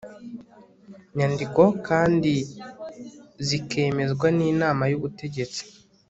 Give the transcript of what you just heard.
nyandiko kandizikemezwe n inama y ubutegetsi